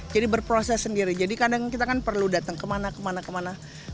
jadi berproses sendiri jadi kadang kita kan perlu datang kemana kemana